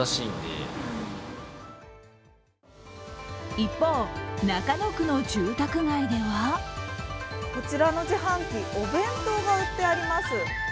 一方、中野区の住宅街ではこちらの自販機、お弁当が売ってあります。